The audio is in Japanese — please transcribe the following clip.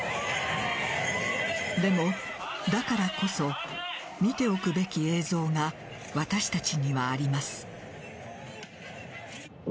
でも、だからこそ見ておくべき映像が私たちにはあります。